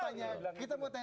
mas guntur kita mau tanya